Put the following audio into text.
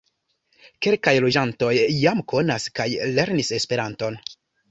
Kelkaj loĝantoj jam konas kaj lernis Esperanton.